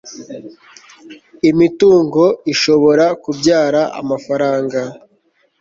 imitungo ishobora kubyara amafaranga